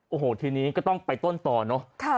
โอ้โหทีนี้ก็ต้องไปต้นต่อเนอะ